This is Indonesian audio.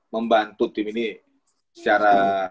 membantu tim ini secara